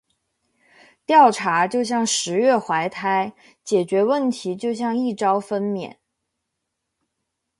调查就像“十月怀胎”，解决问题就像“一朝分娩”。